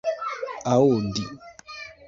aŭdi